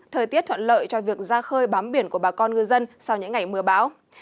thời tiết thuận lợi cho việc ra khơi bám biển của bà con ngư dân sau những ngày mưa bão